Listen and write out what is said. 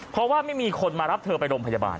เพราะว่าไม่มีคนมารับเธอไปโรงพยาบาล